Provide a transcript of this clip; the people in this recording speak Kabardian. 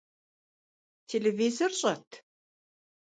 Телевизор щӏэт?